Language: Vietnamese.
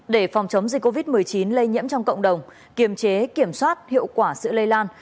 để phòng chống dịch covid một mươi chín lây nhiễm trong cộng đồng kiềm chế kiểm soát hiệu quả sự lây lan